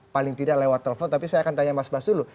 paling tidak lewat telepon tapi saya akan tanya mas bas dulu